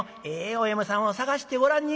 お嫁さんを探してごらんに入れます。